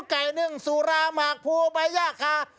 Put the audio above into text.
ไก่หนึ่งสุราหมากภูใบยาคา